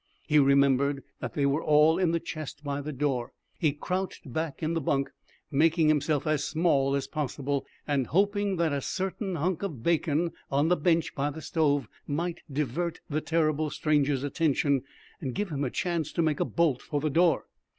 He remembered that they were all in the chest by the door. He crouched back in the bunk, making himself as small as possible, and hoping that a certain hunk of bacon on the bench by the stove might divert the terrible stranger's attention and give him a chance to make a bolt for the door.